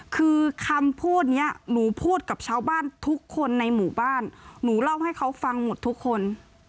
คือคำพูดนี้หนูพูดกับชาวบ้านทุกคนในหมู่บ้านหนูเล่าให้เขาฟังหมดทุกคน